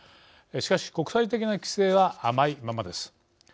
しかし国際的な規制は甘いままです。